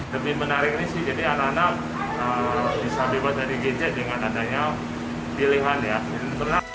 lebih menarik ini sih jadi anak anak bisa bebas dari gadget dengan adanya pilihan ya